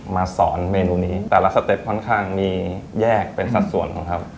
มาสอนเมนูนี้แต่ละสเต็ปค่อนข้างมีแยกเป็นสัดส่วนของเขา